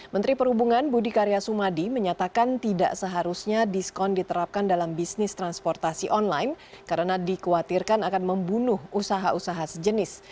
menteri perhubungan budi karya sumadi menyatakan tidak seharusnya diskon diterapkan dalam bisnis transportasi online karena dikhawatirkan akan membunuh usaha usaha sejenis